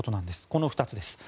この２つです。